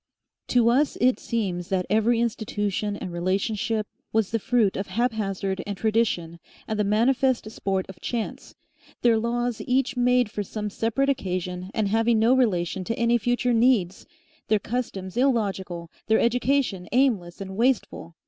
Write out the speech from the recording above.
To us it seems that every institution and relationship was the fruit of haphazard and tradition and the manifest sport of chance, their laws each made for some separate occasion and having no relation to any future needs, their customs illogical, their education aimless and wasteful.